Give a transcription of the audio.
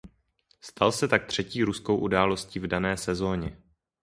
Stal se tak třetí ruskou událostí v dané sezóně.